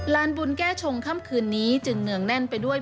บุญแก้ชงค่ำคืนนี้จึงเนืองแน่นไปด้วย